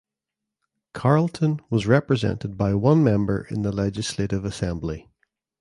Carleton was represented by one member in the Legislative Assembly.